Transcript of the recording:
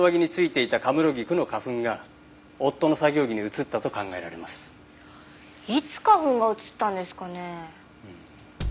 いつ花粉が移ったんですかね？